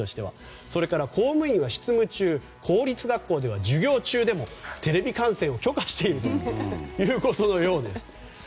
公務員は執務中公立学校では授業中でもテレビ観戦を許可しているということのようです。